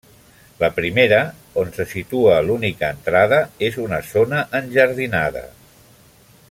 La primera, on se situa l'única entrada, és una zona enjardinada.